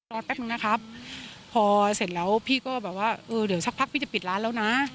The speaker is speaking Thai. แป๊บนึงนะครับพอเสร็จแล้วพี่ก็แบบว่าเออเดี๋ยวสักพักพี่จะปิดร้านแล้วนะ